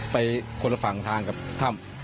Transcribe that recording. ไปคนละฝั่งทางกับถ้ำ